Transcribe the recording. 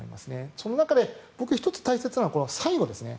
その中で１つ大切なのは最後です。